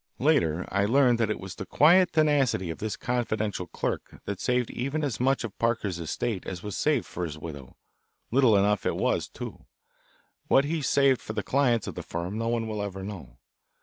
Later I learned that it was the quiet tenacity of this confidential clerk that saved even as much of Parker's estate as was saved for his widow little enough it was, too. What he saved for the clients of the firm no one will ever know.